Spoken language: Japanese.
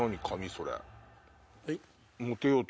それ。